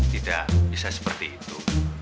tidak bisa seperti itu